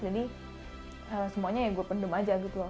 jadi semuanya ya gue pendem aja gitu loh